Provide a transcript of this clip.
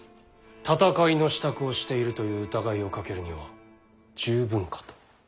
戦いの支度をしているという疑いをかけるには十分かと。